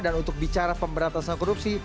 dan untuk bicara pemberantasan korupsi